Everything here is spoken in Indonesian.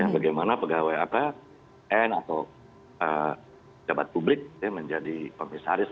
bagaimana pegawai n atau jabat publik menjadi komisaris